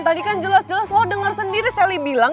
tadi kan jelas jelas lo denger sendiri sally bilang